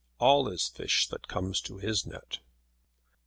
ALL IS FISH THAT COMES TO HIS NET.